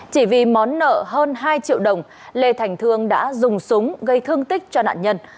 chỉ vì món nợ hơn hai triệu đồng lê thành thương đã dùng súng gây thương tích cho nạn nhân